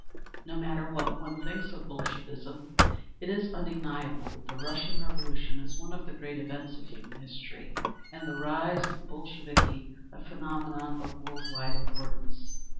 No matter what one thinks of Bolshevism, it is undeniable that the Russian Revolution is one of the great events of human history, and the rise of the Bolsheviki a phenomenon of world wide importance.